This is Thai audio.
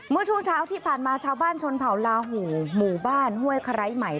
เมื่อช่วงเช้าที่ผ่านมาชาวบ้านชนเผาลาหูหมู่บ้านห้วยไคร้ใหม่